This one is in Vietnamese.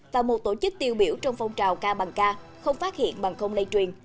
và một tổ chức tiêu biểu trong phong trào ca bằng ca không phát hiện bằng không lây truyền